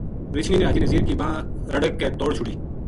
رچھنی نے حاجی نزیر کی بانہہ رَڑک کے توڑ چھُڑی